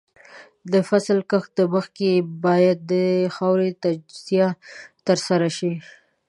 د فصل کښت مخکې باید د خاورې تجزیه ترسره شي.